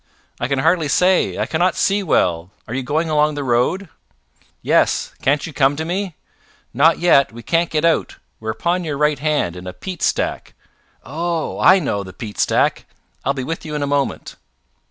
"I can hardly say. I cannot see well. Are you going along the road?" "Yes. Can't you come to me?" "Not yet. We can't get out. We're upon your right hand, in a peat stack." "Oh! I know the peat stack. I'll be with you in a moment."